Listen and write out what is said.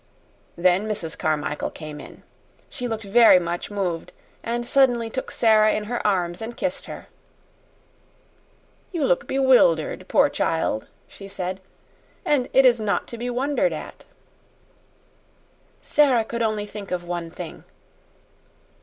Then Mrs. Carmichael came in. She looked very much moved, and suddenly took Sara in her arms and kissed her. "You look bewildered, poor child," she said. "And it is not to be wondered at." Sara could only think of one thing.